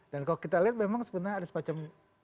dan kalau kita lihat memang sebenarnya ada sepacem